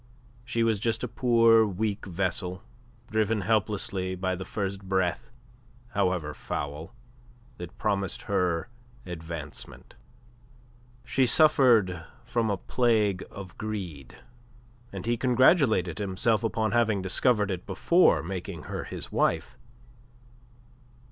She was just a poor weak vessel driven helplessly by the first breath, however foul, that promised her advancement. She suffered from the plague of greed; and he congratulated himself upon having discovered it before making her his wife.